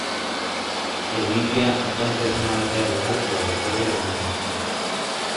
Se inicia, entonces una batalla legal por la custodia del niño.